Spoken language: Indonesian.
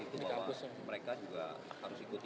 di kampus itu bahwa mereka juga harus ikuti